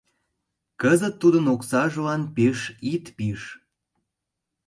Кызыт тудын оксажлан пеш ит пиж.